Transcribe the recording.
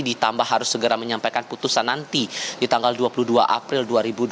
ditambah harus segera menyampaikan putusan nanti di tanggal dua puluh dua april dua ribu dua puluh